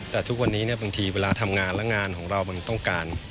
แต่ทุกวันนี้บางทีเวลาทำงานและงานของเรามันต้องการ